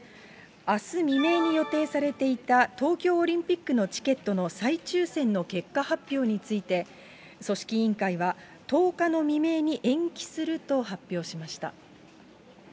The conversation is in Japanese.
あす未明に予定されていた、東京オリンピックのチケットの再抽せんの結果発表について、組織委員会は、１０日の未明に延期すると発表しました。